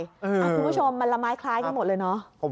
คุณผู้ชมมันละไม้คล้ายกันหมดเลยเนอะ